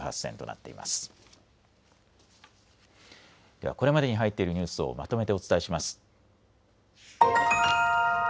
ではこれまでに入っているニュースをまとめてお伝えします。